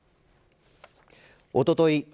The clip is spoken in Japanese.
おととい